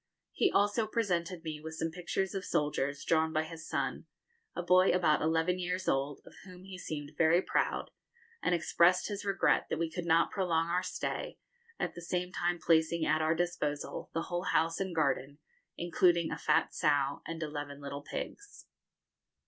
He also presented me with some pictures of soldiers, drawn by his son a boy about eleven years old, of whom he seemed very proud, and expressed his regret that we could not prolong our stay, at the same time placing at our disposal the whole house and garden, including a fat sow and eleven little pigs.